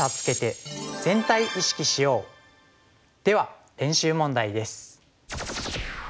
では練習問題です。